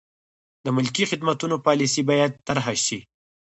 د ملکي خدمتونو پالیسي باید طرحه شي.